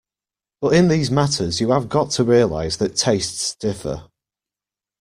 But in these matters you have got to realize that tastes differ.